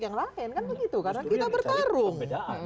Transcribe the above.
yang lain karena kita bertarung